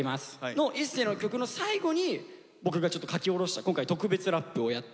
の一世の曲の最後に僕がちょっと書き下ろした今回特別ラップをやって。